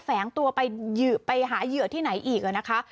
แฝงตัวไปหาเหยื่อที่ไหนอีกนะคะ